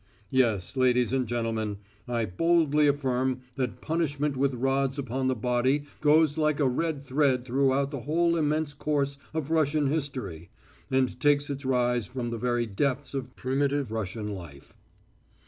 Yes, ladies and gentlemen, I boldly affirm that punishment with rods upon the body goes like a red thread throughout the whole immense course of Russian history, and takes its rise from the very depths of primitive Russian life.